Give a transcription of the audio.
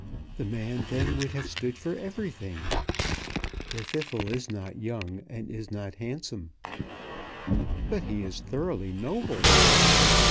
The man then would have stood for everything. Llwddythlw is not young, and is not handsome." "But he is thoroughly noble."